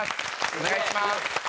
お願いします。